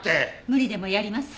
無理でもやります。